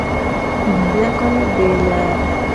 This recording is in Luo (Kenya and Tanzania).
Nyakono be nyare